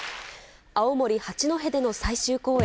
青森・八戸での最終公演。